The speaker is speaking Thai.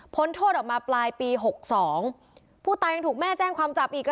โทษออกมาปลายปีหกสองผู้ตายยังถูกแม่แจ้งความจับอีก